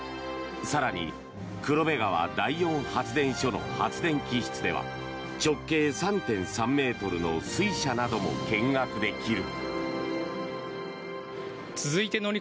更に、黒部川第四発電所の発電機室では直径３．３ｍの水車なども見学できる。